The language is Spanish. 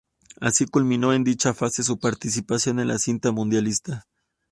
Así culminó en dicha fase su participación en la cita mundialista.